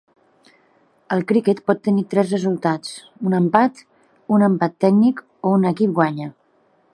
El criquet pot tenir tres resultats: un empat, un empat tècnic, o un equip guanya.